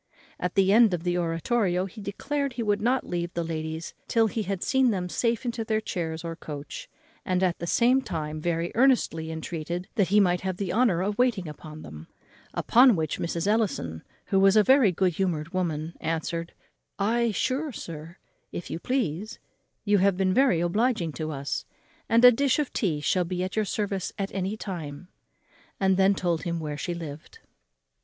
At the end of the oratorio he declared he would not leave the ladies till he had seen them safe into their chairs or coach; and at the same time very earnestly entreated that he might have the honour of waiting on them. Upon which Mrs. Ellison, who was a very good humoured woman, answered, "Ay, sure, sir, if you please; you have been very obliging to us; and a dish of tea shall be at your service at any time;" and then told him where she lived.